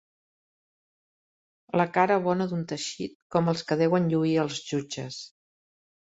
La cara bona d'un teixit, com els que deuen lluir els jutges.